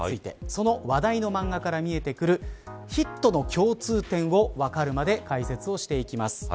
その話題のマンガから見えてくるヒットの共通点をわかるまで解説をしていきます。